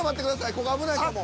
ここ危ないかも。